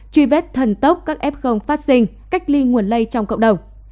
truy vết thần tốc các f phát sinh cách ly nguồn lây trong cộng đồng